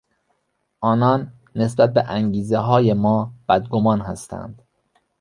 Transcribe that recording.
آنان نسبت به انگیزههای ما بدگمان هستند.